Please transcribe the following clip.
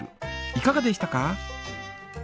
いかがでしたか？